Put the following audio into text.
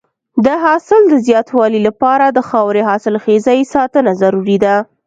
د حاصل د زیاتوالي لپاره د خاورې حاصلخېزۍ ساتنه ضروري ده.